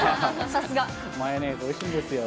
マヨネーズおいしいんですよ。